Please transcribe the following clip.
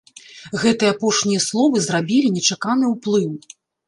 Гэтыя апошнія словы зрабілі нечаканы ўплыў.